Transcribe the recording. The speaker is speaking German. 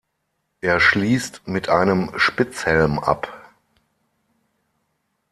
Er schließt mit einem Spitzhelm ab.